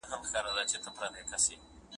مینه،